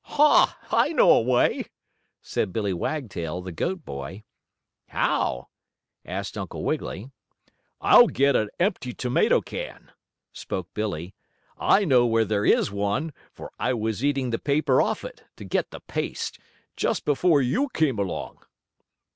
"Ha! I know a way!" said Billie Wagtail, the goat boy. "How?" asked Uncle Wiggily. "I'll get an empty tomato can," spoke Billie. "I know where there is one, for I was eating the paper off it, to get the paste, just before you came along."